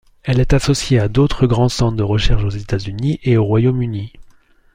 Elle est associée à d'autres grands centres de recherche aux États-Unis et au Royaume-Uni.